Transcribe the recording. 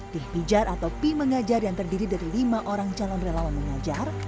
tim pijar atau pi mengajar yang terdiri dari lima orang calon relawan mengajar